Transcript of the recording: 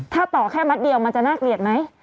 ถ้าต่อแค่มัดเดียวมันจะน่าเกลียดไหม